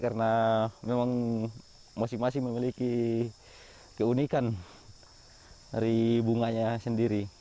karena memang masing masing memiliki keunikan dari bunganya sendiri